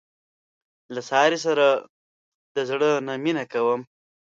له سارې سره د زړه نه مینه کوم.